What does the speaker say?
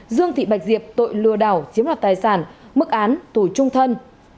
dương thị bạch diệp tội lừa đảo chiếm đoạt tài sản mức án tù trung thân